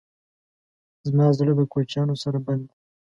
زما زړه د کوچیانو سره بند دی.